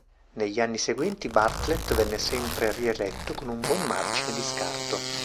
Negli anni seguenti Bartlett venne sempre rieletto con un buon margine di scarto.